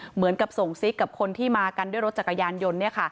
เหมือนกับส่งซิกกับคนที่มากันด้วยรถจักรยานยนต์